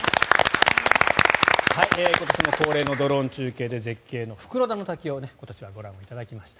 今年も恒例のドローン中継で絶景の袋田の滝を今年はご覧いただきました。